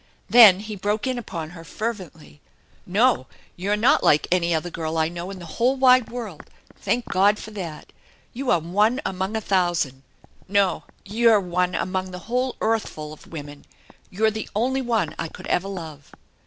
Then he broke in upon her fervently. " No, you're not like any other girl I know in the whole wide world. Thank God for that! You are one among a thousand ! No, you're one among the whole earthf ul of women I You're the only one I could ever love